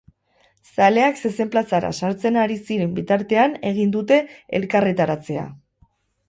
Zaleak zezen plazara sartzen ari ziren bitartean egin dute elkarretaratzea.